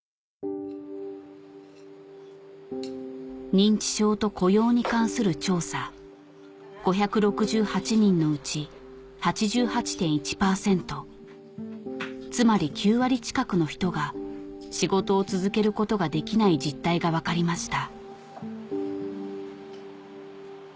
認知症と雇用に関する調査５６８人のうち８８．１％つまり９割近くの人が仕事を続けることができない実態が分かりました